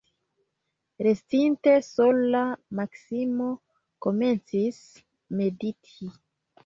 Restinte sola, Maksimo komencis mediti.